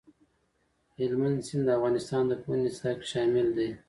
هلمند سیند د افغانستان د پوهنې نصاب کې شامل دي.